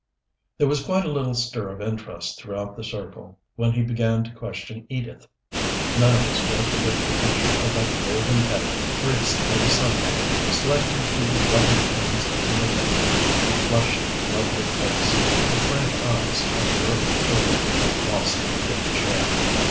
There was quite a little stir of interest throughout the circle when he began to question Edith. None of us will forget the picture of that golden head, graced by the sunlight slanting through the leaded panes of the window, the flushed, lovely face, the frank eyes and the girlish figure, lost in the big chair.